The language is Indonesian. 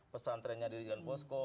pesantrennya di dengan posko